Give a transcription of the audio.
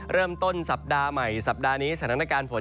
เริ่มต้นสัปดาห์ใหม่สัปดาห์นี้สถานการณ์ฝน